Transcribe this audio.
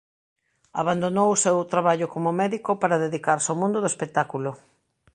Abandonou o seu traballo como médico para dedicarse ó mundo do espectáculo.